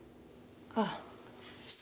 あっ失礼。